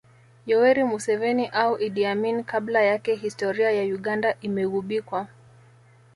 Yoweri Museveni au Idi Amin kabla yake historia ya Uganda imeghubikwa